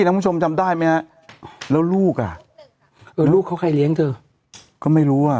ท่านผู้ชมจำได้ไหมฮะแล้วลูกอ่ะเออลูกเขาใครเลี้ยงเธอก็ไม่รู้อ่ะ